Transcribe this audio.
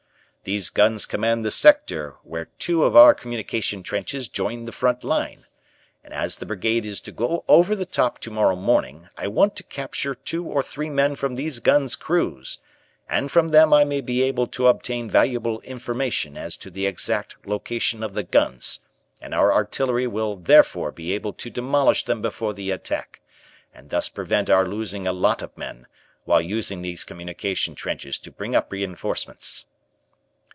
These guns command the sector where two of our communication trenches join the front line, and as the brigade is to go over the top tomorrow morning I want to capture two or three men from these guns' crews, and from them I may be able to obtain valuable information as to the exact location of the guns, and our artillery will therefore be able to demolish them before the attack, and thus prevent our losing a lot of men while using these communication trenches to bring up reinforcements."